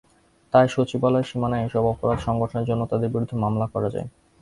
তাই সচিবালয়ের সীমানায় এসব অপরাধ সংঘটনের জন্য তাঁদের বিরুদ্ধে মামলা করা যায়।